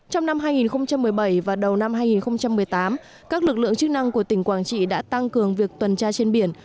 trong năm hai nghìn một mươi bảy và đầu năm hai nghìn một mươi tám các lực lượng chức năng của tỉnh quảng trị đã tăng cường việc tuần tra trên biển